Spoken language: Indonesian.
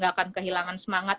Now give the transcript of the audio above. gak akan kehilangan semangat